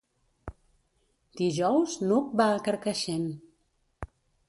Dijous n'Hug va a Carcaixent.